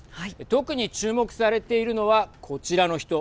特に注目されているのはこちらの人。